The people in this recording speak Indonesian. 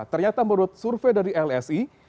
ternyata menurut survei dari lsi